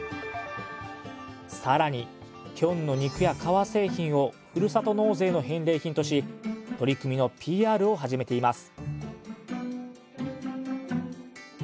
更にキョンの肉や革製品をふるさと納税の返礼品とし取り組みのＰＲを始めています